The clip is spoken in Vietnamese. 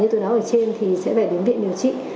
như tôi nói ở trên thì sẽ phải đến viện điều trị